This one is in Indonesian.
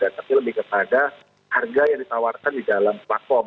tapi lebih kepada harga yang ditawarkan di dalam platform